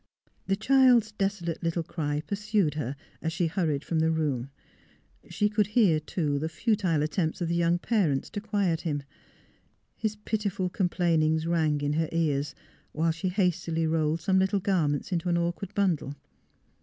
'' The child's desolate little cry pursued her as she hurried from the room; she could hear, too, the futile attempts of the young parents to quiet him. His pitiful complainings rang in her ears while she hastily rolled some little garments into an awkward bundle.